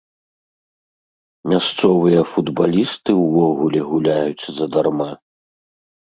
Мясцовыя футбалісты ўвогуле гуляюць задарма.